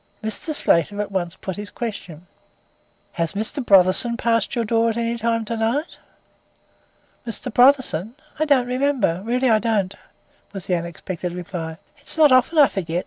Mr. Slater at once put his question: "Has Mr. Brotherson passed your door at any time to night?" "Mr. Brotherson! I don't remember, really I don't," was the unexpected reply. "It's not often I forget.